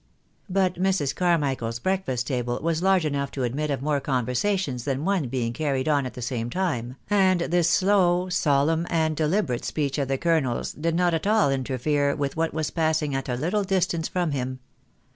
But Mrs. Carmichael's breakfast table was large enough to admit of more conversations than one being carried on at the same time, and this slow, solemn and deliberate speech of the colonel's did not at all interfere with what was passing at a httle distance from him.